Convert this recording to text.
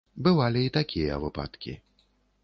Бывалі і такія выпадкі.